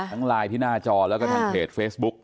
ไลน์ที่หน้าจอแล้วก็ทางเพจเฟซบุ๊ก